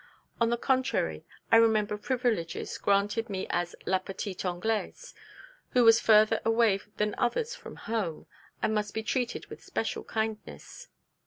On the contrary, I remember privileges granted me as 'la petite Anglaise,' who was further away than others from home, and must be treated with special kindness.